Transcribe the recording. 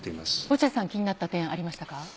落合さん気になった点ありましたか？